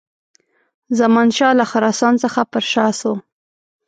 زمانشاه له خراسان څخه پر شا سو.